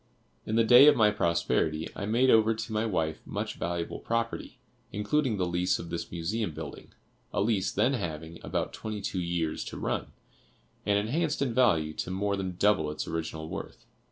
In the day of my prosperity I made over to my wife much valuable property, including the lease of this Museum building, a lease then having about twenty two years to run, and enhanced in value to more than double its original worth.